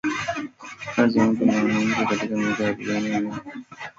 kazi ya mtu ni mwanamke Katika miaka ya arobaini na nne ya mwisho ya